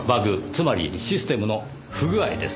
つまりシステムの不具合です。